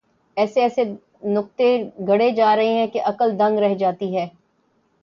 ایسے ایسے نکتے گھڑے جا رہے ہیں کہ عقل دنگ رہ جاتی ہے۔